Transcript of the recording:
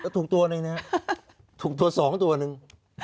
ถูกตัวหนึ่งนะครับถูกตัว๒ตัวหนึ่ง